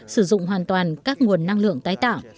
sử dụng hoàn toàn các nguồn năng lượng tái tạo